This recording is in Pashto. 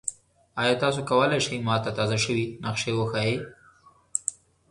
ایا تاسو کولی شئ ما ته تازه شوي نقشې وښایئ؟